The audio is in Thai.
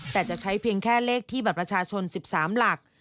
แต่จะใช้เพียงแค่เลขที่บัตรประชาชน๑๓หลัก